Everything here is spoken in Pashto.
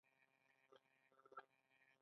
شخصي تلویزیونونه اجازه نلري.